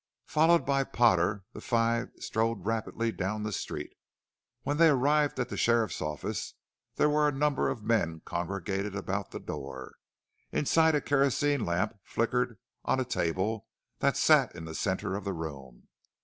Followed by Potter the five strode rapidly down the street. When they arrived at the sheriff's office there were a number of men congregated about the door. Inside a kerosene lamp flickered on a table that sat in the center of the room.